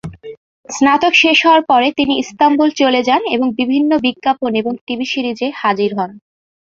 স্নাতক শেষ হওয়ার পরে তিনি ইস্তাম্বুল চলে যান এবং বিভিন্ন বিজ্ঞাপন এবং টিভি সিরিজে হাজির হন।